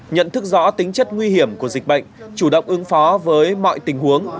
nhận thức rõ tính chất nguy hiểm của dịch bệnh chủ động ứng phó với mọi tình huống